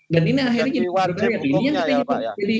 dan ini akhirnya jadi